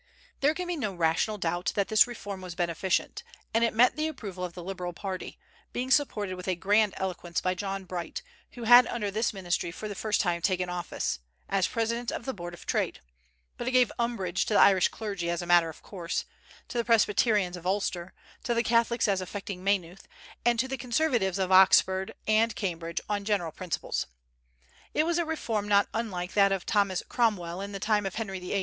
There can be no rational doubt that this reform was beneficent, and it met the approval of the Liberal party, being supported with a grand eloquence by John Bright, who had under this ministry for the first time taken office, as President of the Board of Trade; but it gave umbrage to the Irish clergy as a matter of course, to the Presbyterians of Ulster, to the Catholics as affecting Maynooth, and to the conservatives of Oxford and Cambridge on general principles. It was a reform not unlike that of Thomas Cromwell in the time of Henry VIII.